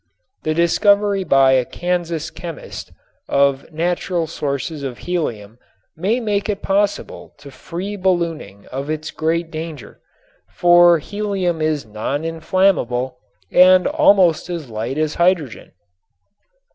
The discovery by a Kansas chemist of natural sources of helium may make it possible to free ballooning of its great danger, for helium is non inflammable and almost as light as hydrogen.